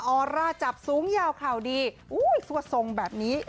ออร่าจับสูงยาวข่าวดีอุ้ยซั่วทรงแบบนี้